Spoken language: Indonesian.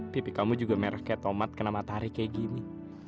pipi kamu juga merah kayak tomat kena matahari kayak gini